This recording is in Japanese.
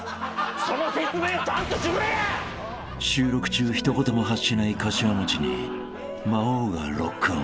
［収録中一言も発しないかしわ餅に魔王がロックオン］